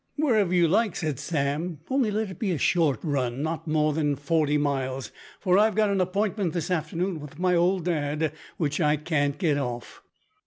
"Wherever you like," said Sam, "only let it be a short run, not more than forty miles, for I've got an appointment this afternoon with my old dad which I can't get off."